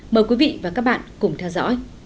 mời quý vị và các bạn cùng theo dõi